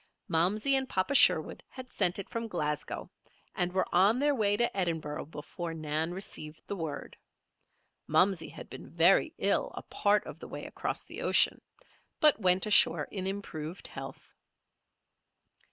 Momsey and Papa Sherwood had sent it from Glasgow, and were on their way to Edinburgh before Nan received the word. Momsey had been very ill a part of the way across the ocean, but went ashore in improved health.